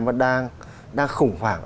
vẫn đang khủng hoảng